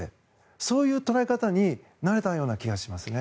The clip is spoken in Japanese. そういう捉え方になれたような気がしますね。